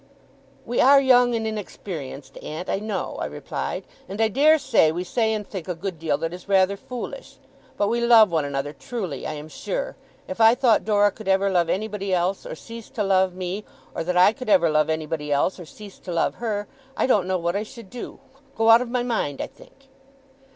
'We are young and inexperienced, aunt, I know,' I replied; 'and I dare say we say and think a good deal that is rather foolish. But we love one another truly, I am sure. If I thought Dora could ever love anybody else, or cease to love me; or that I could ever love anybody else, or cease to love her; I don't know what I should do go out of my mind, I think!